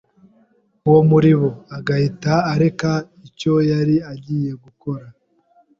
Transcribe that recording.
wo muri bo, agahita areka icyo yari agiye gukora,